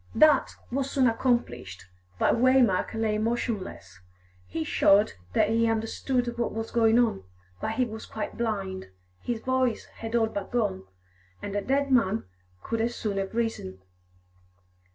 That was soon accomplished, but Waymark lay motionless; he showed that he understood what was going on, but he was quite blind, his voice had all but gone, and a dead man could as soon have risen.